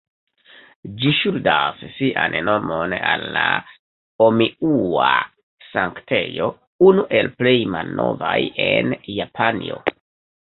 Ĝi ŝuldas sian nomon al la Omiŭa-Sanktejo, unu el plej malnovaj en Japanio.